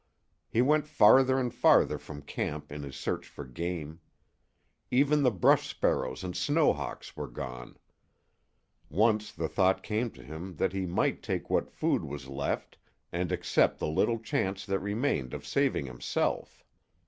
He went farther and farther from camp in his search for game. Even the brush sparrows and snow hawks were gone. Once the thought came to him that be might take what food was left and accept the little chance that remained of saving himself.